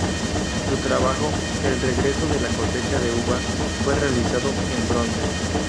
Su trabajo "El regreso de la Cosecha de Uva" fue realizado en bronce.